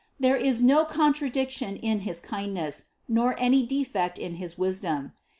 There is no contradiction in his kindness, nor any defect in his wisdom.